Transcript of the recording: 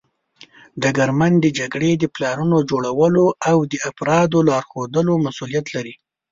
ډګرمن د جګړې د پلانونو جوړولو او د افرادو لارښودلو مسوولیت لري.